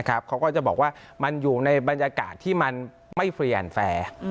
เขาก็จะบอกว่ามันอยู่ในบรรยากาศที่มันไม่เฟรียนแฟร์